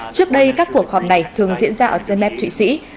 trước đây các cuộc họp này thường diễn ra ở genevap thụy sĩ